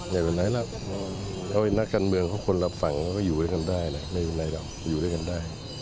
อย่าเป็นไรล่ะนักการณ์เมืองคนละฝั่งก็อยู่ด้วยกันได้ไม่มีอะไรหรอกอยู่ด้วยกันได้